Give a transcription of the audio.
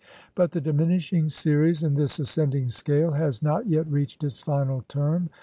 But the diminishing series in this ascending scale has not yet reached its final term.